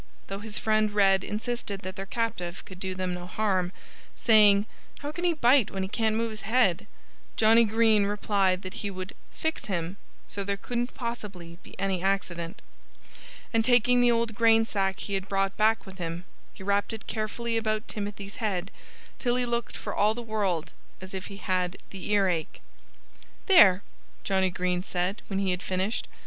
Though his friend Red insisted that their captive could do them no harm (saying, "How can he bite when he can't move his head?") Johnnie Green replied that he would "fix him" so there couldn't possibly be any accident. And taking the old grain sack he had brought back with him, he wrapped it carefully around Timothy's head, till he looked for all the world as if he had the earache. "There!" Johnnie Green said, when he had finished.